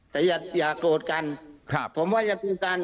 แต่อย่าโกรธกันครับผมว่าอย่าคุยกัน